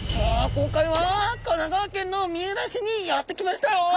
今回は神奈川県の三浦市にやって来ましたよ。